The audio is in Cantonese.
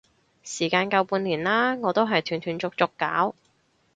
時間夠半年啦，我都係斷斷續續搞